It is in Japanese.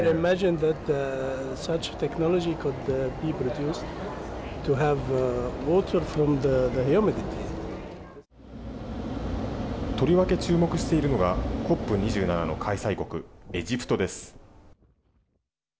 とりわけ注目しているのがＣＯＰ２７の開催国エジプトです。